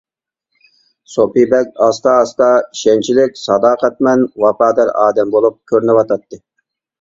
سوپى بەگ ئاستا-ئاستا ئىشەنچلىك، ساداقەتمەن، ۋاپادار ئادەم بولۇپ كۆرۈنۈۋاتاتتى.